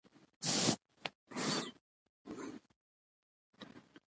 ډيپلومات د نړېوالو میکانیزمونو برخه وي.